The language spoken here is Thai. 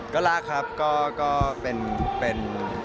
ก็รักครับก็เป็น